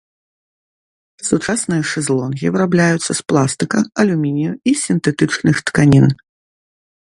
Сучасныя шэзлонгі вырабляюцца з пластыка, алюмінію і сінтэтычных тканін.